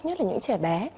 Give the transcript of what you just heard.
nhất là những trẻ bé